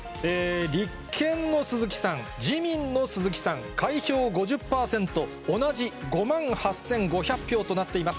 立憲の鈴木さん、自民の鈴木さん、開票５０％、同じ５万８５００票となっています。